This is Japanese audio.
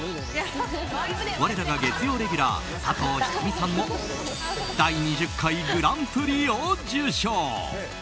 我らが月曜レギュラー佐藤仁美さんも第２０回グランプリを受賞。